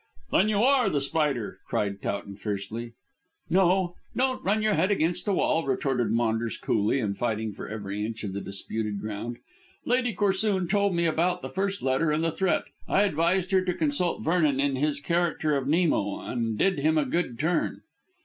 "Then you are The Spider?" cried Towton fiercely. "No. Don't run your head against a wall," retorted Maunders coolly, and fighting for every inch of the disputed ground. "Lady Corsoon told me about the first letter and the threat. I advised her to consult Vernon in his character of Nemo, and did him a good turn."